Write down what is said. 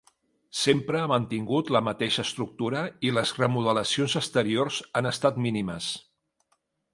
Sempre ha mantingut la mateixa estructura i les remodelacions exteriors han estat mínimes.